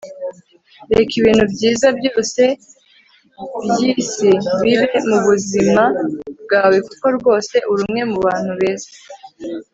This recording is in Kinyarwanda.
reka ibintu byiza byose byisi bibe mubuzima bwawe kuko rwose uri umwe mubantu beza